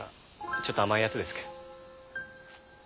ちょっと甘いヤツですけど。